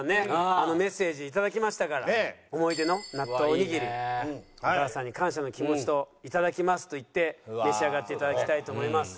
あのメッセージ頂きましたから思い出の納豆おにぎりお母さんに感謝の気持ちといただきますと言って召し上がって頂きたいと思います。